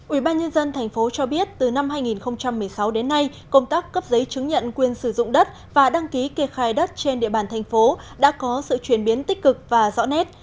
ủy ban nhân dân thành phố cho biết từ năm hai nghìn một mươi sáu đến nay công tác cấp giấy chứng nhận quyền sử dụng đất và đăng ký kê khai đất trên địa bàn thành phố đã có sự chuyển biến tích cực và rõ nét